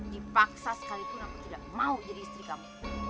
dipaksa sekali pun aku tidak mau jadi istri kamu